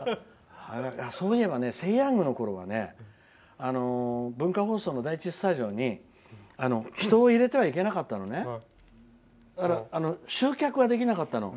そういえば「セイ！ヤング」のころは文化放送の第１スタジオに人を入れてはいけなかったのね。集客ができなかったの。